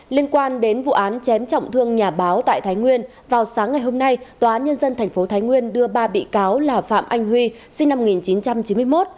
liên quan đến vụ án chém trọng thương nhà báo tại thái nguyên vào sáng ngày hôm nay tòa án nhân dân tp thái nguyên đưa ba bị cáo là phạm anh huy sinh năm một nghìn chín trăm chín mươi một